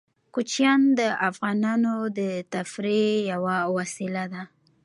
کوچیان د افغانانو د تفریح یوه وسیله ده.